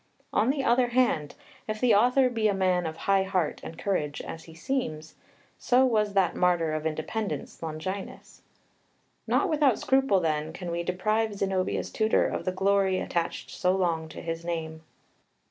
On the other hand, if the author be a man of high heart and courage, as he seems, so was that martyr of independence, Longinus. Not without scruple, then, can we deprive Zenobia's tutor of the glory attached so long to his name.